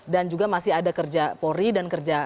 dan juga masih ada kerja polri dan kerja asw